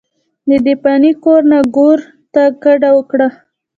ددې فاني کور نه ګور ته کډه اوکړه،